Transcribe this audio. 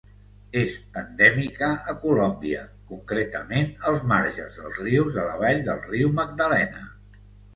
És endèmica a Colòmbia, concretament als marges dels rius de la vall del Riu Magdalena.